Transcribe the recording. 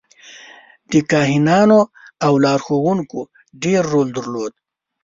د کاهنانو او لارښوونکو ډېر رول درلود.